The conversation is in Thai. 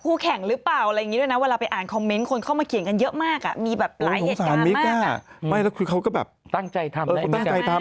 ปูชุดหนึ่งเขาก็ไม่สูงแทน